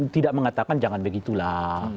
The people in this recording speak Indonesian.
tidak mengatakan jangan begitu lah